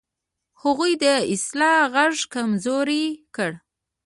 هغوی د اصلاح غږ کمزوری کړ.